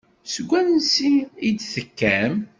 Seg wansi i d-tekkam?